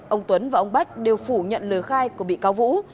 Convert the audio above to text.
ông tuấn và ông bách đều phủ nhận lời khai của bị cáo vũ